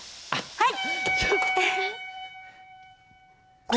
はい。